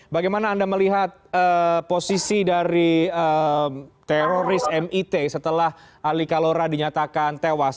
bagaimana anda melihat posisi dari teroris mit setelah ali kalora dinyatakan tewas